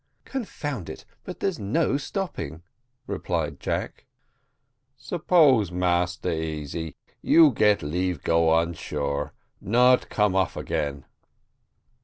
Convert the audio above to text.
"Confound it! but there's no stopping," replied Jack. "Suppose, Massa Easy, you get leave go on shore not come off again."